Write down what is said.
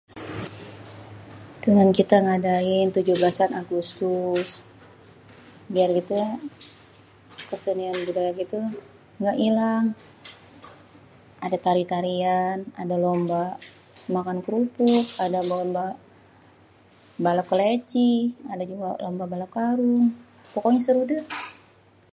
dengan kita ngadain tujuh belasan agustus.. biar kesenian budaya gitu ngga ilang.. ada tari-tarian, ada lomba makan krupuk, ada lomba balap kêléci, ada juga lomba balap karung.. pokoknya seru dah..